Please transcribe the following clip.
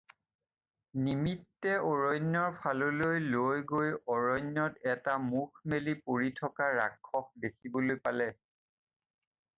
নিমিত্তে অৰণ্যৰ ফাললৈ লৈ গৈ অৰণ্যত এটা মুখ মেলি পৰি থকা ৰাক্ষস দেখিবলৈ পালে।